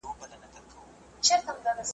کشپ ولیدل له پاسه شنه کښتونه `